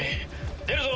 出るぞ。